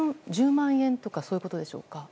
１０万円とかそういうことでしょうか。